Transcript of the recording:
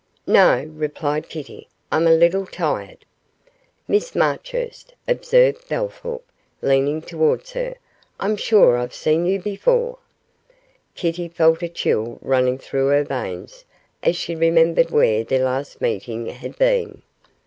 'No,' replied Kitty, 'I'm a little tired.' 'Miss Marchurst,' observed Bellthorp, leaning towards her, 'I'm sure I've seen you before.' Kitty felt a chill running through her veins as she remembered where their last meeting had been.